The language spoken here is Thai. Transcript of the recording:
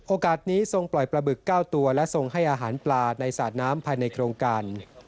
โอกาสนี้ทรงปล่อยปลาบึก๙ตัวและทรงให้อาหารปลาในสาดน้ำภายในโครงการ